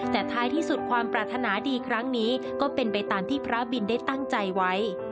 แต่ท้ายที่สุดความปรารถนาดีครั้งนี้ก็เป็นไปตามที่พระบินได้ตั้งใจไว้